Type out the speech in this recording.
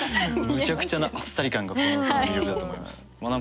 むちゃくちゃなあっさり感がこの歌の魅力だと思います。